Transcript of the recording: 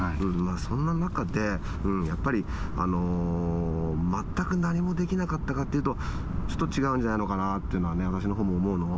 そんな中で、やっぱり全く何もできなかったかっていうと、ちょっと違うんじゃないのかなっていうのがね、私のほうも思うの。